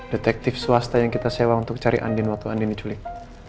detektif swasta yang kita sewa untuk cari andin waktu andini culik